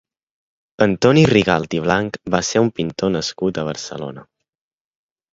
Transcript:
Antoni Rigalt i Blanch va ser un pintor nascut a Barcelona.